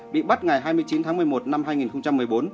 bị bắt ngày hai mươi chín tháng một mươi một năm hai nghìn một mươi bốn